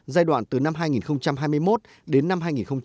giai đoạn từ năm hai nghìn hai mươi một đến năm hai nghìn hai mươi năm